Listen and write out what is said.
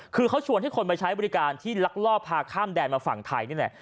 คือเขาชวนให้คนมาใช้บริการที่ลักลอบพาข้ามแดนมาฝั่งไทยนี่แหละ